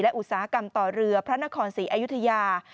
อุตสาหกรรมต่อเรือพระนครศรีอยุธยา